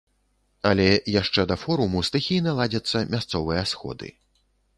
Але яшчэ да форуму стыхійна ладзяцца мясцовыя сходы.